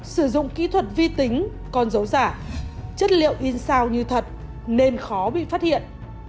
sử dụng kỹ thuật vi tính con dấu giả chất liệu in sao như thật nên khó bị phát hiện